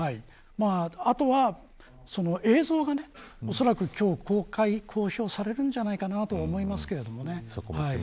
あとは、映像がおそらく、今日公表されるんじゃないかと思いますけどね。